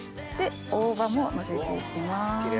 大葉ものせていきます。